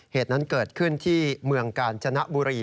เหตุนั้นเกิดขึ้นที่เมืองกาญจนบุรี